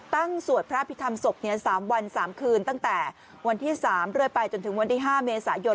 สวดพระพิธรรมศพ๓วัน๓คืนตั้งแต่วันที่๓เรื่อยไปจนถึงวันที่๕เมษายน